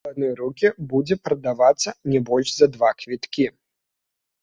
У адны рукі будзе прадавацца не больш за два квіткі.